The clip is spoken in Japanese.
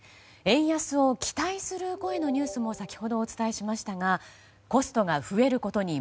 円安を期待する声のニュースも先ほどお伝えしましたがコストが増えることに